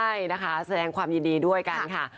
ใช่นะคะแสดงความยินดีด้วยกันค่ะ